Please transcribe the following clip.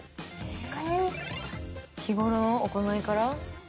日頃の行いから？